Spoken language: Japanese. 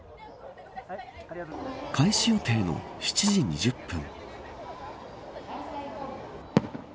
開始予定の７時２０分。